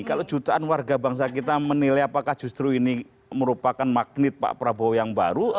kalau jutaan warga bangsa kita menilai apakah justru ini merupakan magnet pak prabowo yang baru